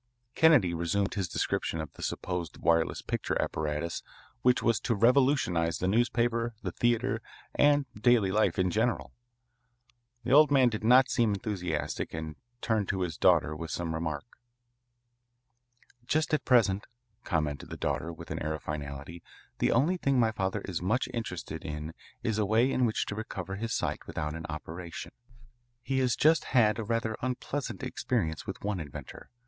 Kennedy resumed his description of the supposed wireless picture apparatus which was to revolutionise the newspaper, the theatre, and daily life in general. The old man did not seem enthusiastic and turned to his daughter with some remark. "Just at present," commented the daughter, with an air of finality, "the only thing my father is much interested in is a way in which to recover his sight without an operation. He has just had a rather unpleasant experience with one inventor.